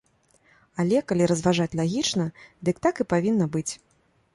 Але, калі разважаць лагічна, дык так і павінна быць.